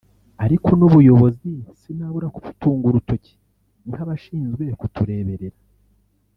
Ariko n’ubuyobozi sinabura kubutunga urutoki nk’abashinzwe kutureberera